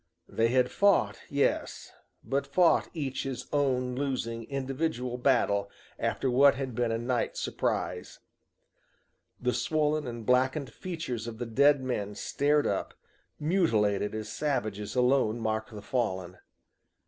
They had fought, yes, but fought each his own losing individual battle after what had been a night surprise. The swollen and blackened features of the dead men stared up, mutilated as savages alone mark the fallen.